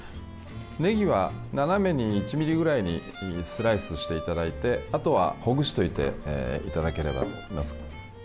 ねぎは斜めに１ｍｍぐらいにスライスしていただいてあとは、ほぐしといていただければと思います。